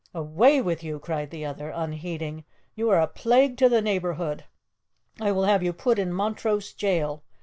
"Away with you!" cried the other, unheeding. "You are a plague to the neighbourhood. I will have you put in Montrose jail!